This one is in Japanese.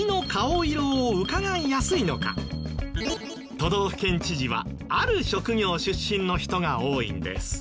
都道府県知事はある職業出身の人が多いんです。